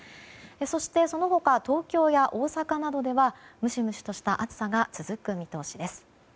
そして、その他東京や大阪などではムシムシとした暑さが続く見通しです。